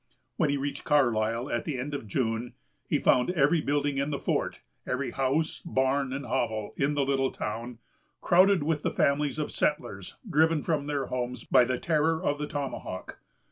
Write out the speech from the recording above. When he reached Carlisle, at the end of June, he found every building in the fort, every house, barn, and hovel, in the little town, crowded with the families of settlers, driven from their homes by the terror of the tomahawk.